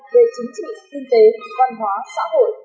về chính trị kinh tế văn hóa xã hội